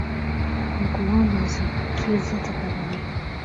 Nakuomba unisikize tafadhali.